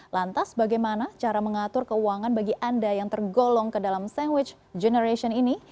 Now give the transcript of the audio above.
lantas bagaimana cara mengatur keuangan bagi anda yang tergolong ke dalam sandwich generation ini